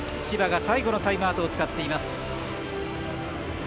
千葉が最後のタイムアウトを使っています。